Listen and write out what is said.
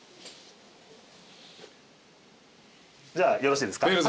じゃあよろしいですか？